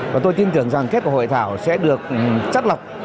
và tôi tin tưởng rằng kết quả hội thảo sẽ được chất lọc